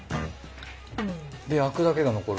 であくだけが残る